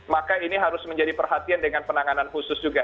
maka ini harus menjadi perhatian dengan penanganan khusus juga